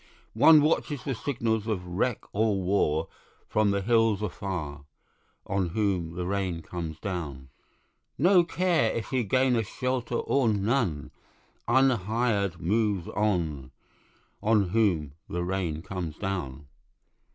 One watches for signals of wreck or war From the hill afar, On whom the rain comes down. No care if he gain a shelter or none, Unhired moves on, On whom the rain comes down.